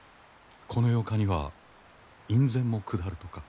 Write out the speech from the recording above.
この８日には院宣も下るとか。